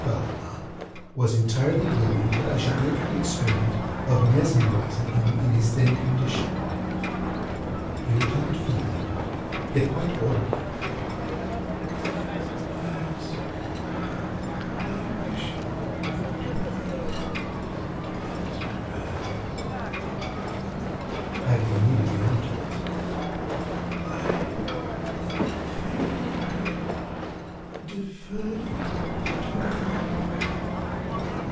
Valdemar) was entirely willing that I should make the experiment of mesmerizing him in his then condition. He replied feebly, yet quite audibly, ŌĆ£Yes, I wish to be. I fear you have mesmerizedŌĆØŌĆöadding immediately afterwards: ŌĆ£I fear you have deferred it too long.